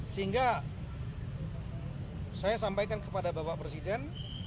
sehingga saya sampaikan kepada bapak presiden